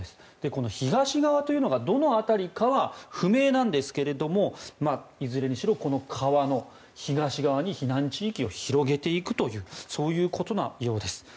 この東側というのがどの辺りかは不明なんですけれどもいずれにしろ、この川の東側に避難地域を広げていくということのようです。